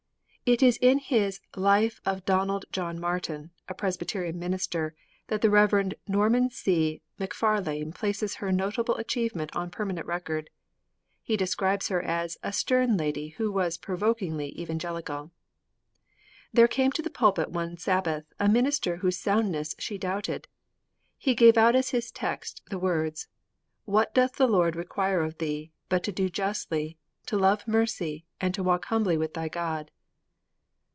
It is in his Life of Donald John Martin, a Presbyterian minister, that the Rev. Norman C. Macfarlane places her notable achievement on permanent record. He describes her as 'a stern lady who was provokingly evangelical.' There came to the pulpit one Sabbath a minister whose soundness she doubted. He gave out as his text the words: '_What doth the Lord require of thee but to do justly, to love mercy, and to walk humbly with thy God?